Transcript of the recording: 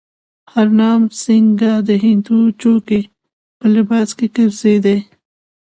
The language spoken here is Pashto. هرنام سینګه د هندو جوګي په لباس کې ګرځېدی.